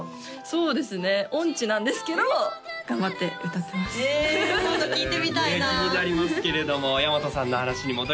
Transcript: そうですね音痴なんですけど頑張って歌ってますへえ今度聴いてみたいな気になりますけれども大和さんの話に戻ります